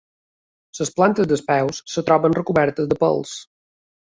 Les plantes dels peus es troben recobertes de pèls.